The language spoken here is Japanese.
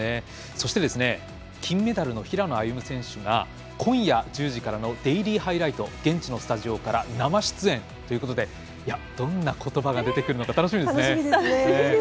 そして金メダルの平野歩夢選手が今夜１０時からの「デイリーハイライト」現地のスタジオから生出演ということでどんなことばが出てくるのか楽しみですね。